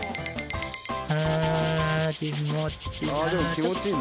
気持ちいいなあ